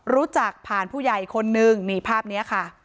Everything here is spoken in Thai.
รู้จักผ่านผู้ใหญ่คนนึงนี่ภาพนี้ค่ะ